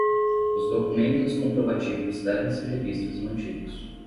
Os documentos comprovativos devem ser revistos e mantidos